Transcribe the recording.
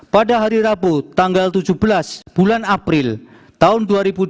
pada hari rabu tanggal tujuh belas bulan april tahun dua ribu dua puluh